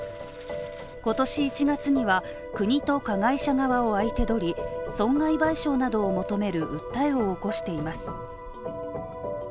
今年１月には、国と加害者側を相手取り損害賠償などを求める訴えを起こしています。